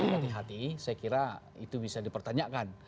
dan sangat hati hati saya kira itu bisa dipertanyakan